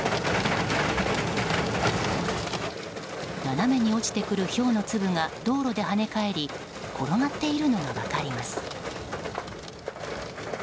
斜めに落ちてくるひょうの粒が道路で跳ね返り転がっているのが分かります。